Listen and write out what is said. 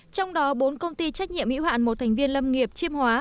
trong đó bốn công ty trách nhiệm hữu hạn một thành viên lâm nghiệp chiêm hóa